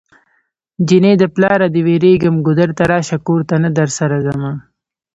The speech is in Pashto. جنۍ د پلاره دی ويريږم ګودر ته راشه کور ته نه درسره ځمه